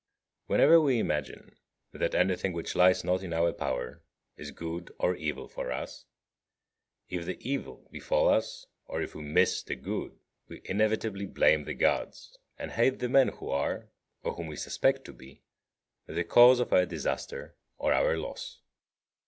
41. Whenever we imagine that anything which lies not in our power is good or evil for us, if the evil befall us or if we miss the good, we inevitably blame the Gods, and hate the men who are, or whom we suspect to be, the cause of our disaster or our loss.